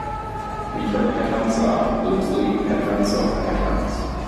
Metapatterns are, loosely, patterns of patterns.